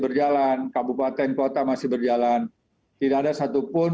berjalan kabupaten kota masih berjalan tidak ada satupun